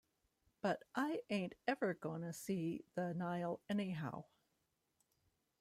But I ain't ever gonna see the Nile anyhow.